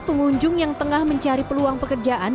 pengunjung yang tengah mencari peluang pekerjaan